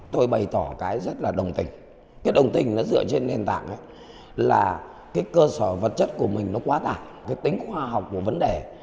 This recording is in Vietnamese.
tôi bày tỏ cái rất là đồng tình cái đồng tình nó dựa trên nền tảng là cái cơ sở vật chất của mình nó quá tạc cái tính khoa học của vấn đề